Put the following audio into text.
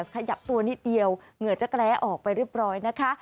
ขยับตัวนิดเดียวเหงื่อจะแร้ออกไปเรียบร้อยนะคะ